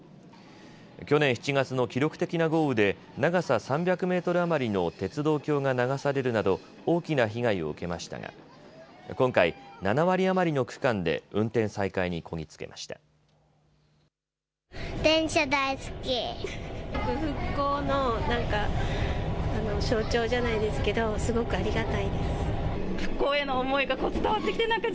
去年７月の記録的な豪雨で長さ３００メートル余りの鉄道橋が流されるなど大きな被害を受けましたが今回７割余りの区間で運転再開にこぎ着けました。